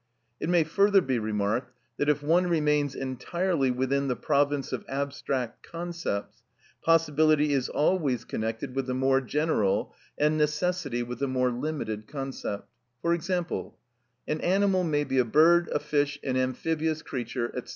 It may further be remarked that if one remains entirely within the province of abstract concepts, possibility is always connected with the more general, and necessity with the more limited concept; for example, "An animal may be a bird, a fish, an amphibious creature, &c."